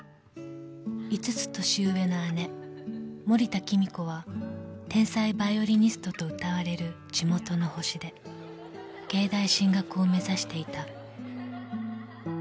［５つ年上の姉森田貴美子は天才バイオリニストと謳われる地元の星で芸大進学を目指していた］